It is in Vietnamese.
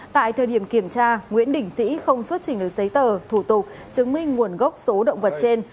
tại thời điểm kiểm tra nguyễn đình sĩ không xuất trình được giấy tờ thủ tục chứng minh nguồn gốc số động vật trên